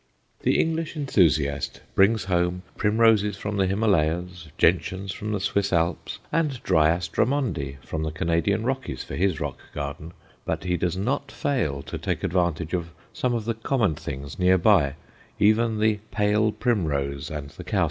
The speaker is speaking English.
The English enthusiast brings home primroses from the Himalayas, gentians from the Swiss Alps, and Dryas Drummondi from the Canadian Rockies for his rock garden, but he does not fail to take advantage of some of the common things near by even the "pale primrose" and the cowslip.